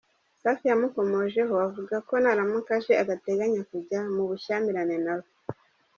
Safi yamukomojeho avuga ko naramuka aje adateganya kujya mu bushyamirane na we.